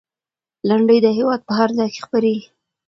لنډۍ د هېواد په هر ځای کې خپرېږي.